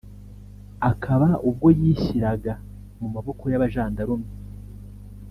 akaba ubwo yishyiraga mu maboko y’abajandarume